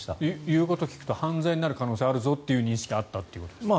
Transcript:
言うことを聞くと犯罪になる可能性があるぞという認識があったということですか？